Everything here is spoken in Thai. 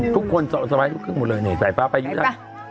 ทุกคนสไฟล์ลูกครึ่งหมดเลยนี่สายฟ้าไปอยู่นะ